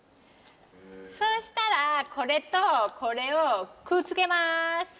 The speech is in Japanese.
そうしたらこれとこれをくっつけます。